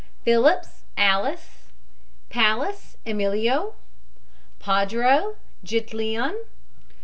PHILLIPS, ALICE. PALLAS, EMILIO. PADRO, JITLIAN.